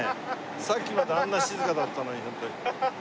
さっきまであんな静かだったのにホントに。